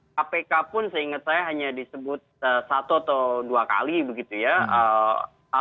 kpk pun seingat saya hanya disebut satu atau dua kali begitu ya